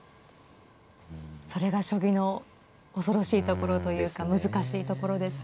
それが将棋の恐ろしいところというか難しいところですね。